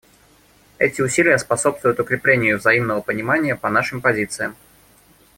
Эти усилия способствуют укреплению взаимного понимания по нашим позициям.